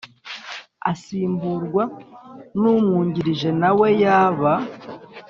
Asimburwa n umwungirije nawe yaba